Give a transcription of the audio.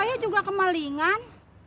saya juga kemalingan